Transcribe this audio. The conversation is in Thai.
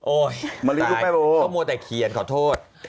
โอ๊ยตายเขางักหมวดแต่เคียนขอโทษ